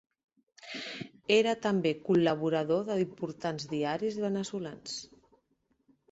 Era també col·laborador d'importants diaris veneçolans.